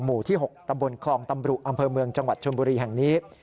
หมู่ที่๖ตำบลคลองตำรุอำเภอเมืองจังหวัดชนบุรีแห่งนี้